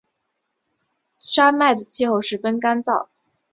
山脉的气候十分干燥。